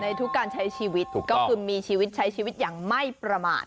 ทุกการใช้ชีวิตก็คือมีชีวิตใช้ชีวิตอย่างไม่ประมาท